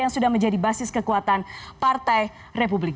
yang sudah menjadi basis kekuatan partai republik